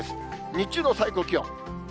日中の最高気温。